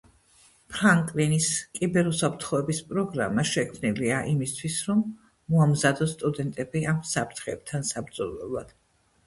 ფრანკლინის კიბერუსაფრთხოების პროგრამა შექმნილია იმისთვის, რომ მოამზადოს სტუდენტები ამ საფრთხეებთან საბრძოლველად